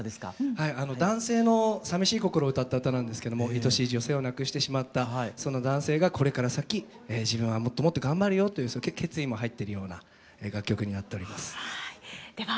はい男性のさみしい心を歌った歌なんですけどもいとしい女性を亡くしてしまったその男性がこれから先自分はもっともっと頑張るよという決意も入ってるような楽曲になっております。